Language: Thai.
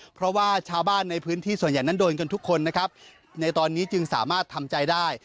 เพราะว่าชาวบ้านในพื้นที่ส่วนใหญ่นั้นโดนกันทุกคนนะครับในตอนนี้จึงสามารถทำใจได้